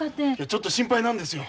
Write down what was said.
ちょっと心配なんですよ。